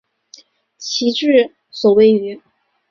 其治所位于。